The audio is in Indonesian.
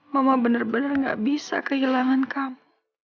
mama bener bener gak bisa kehilangan kamu